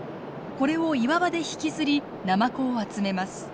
これを岩場で引きずりナマコを集めます。